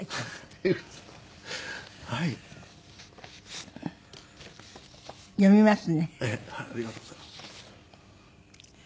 ありがとうございます。